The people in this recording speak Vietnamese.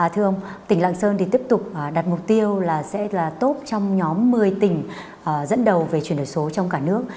thưa ông tỉnh lạng sơn thì tiếp tục đặt mục tiêu là sẽ là top trong nhóm một mươi tỉnh dẫn đầu về chuyển đổi số trong cả nước